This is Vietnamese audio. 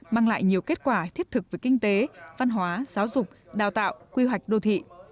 mang lại nhiều kết quả thiết thực về kinh tế văn hóa giáo dục đào tạo quy hoạch đô thị